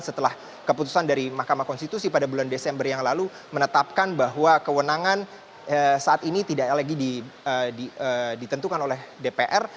setelah keputusan dari mahkamah konstitusi pada bulan desember yang lalu menetapkan bahwa kewenangan saat ini tidak lagi ditentukan oleh dpr